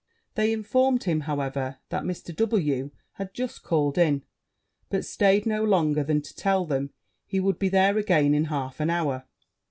They informed him, however, that Mr. W had just called in, but staid no longer than to tell them he would be there again in half an hour.